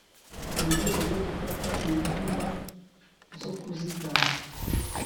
murwego rwo gufata ingamba zo kuzigama